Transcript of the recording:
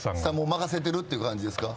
任せてるっていう感じですか。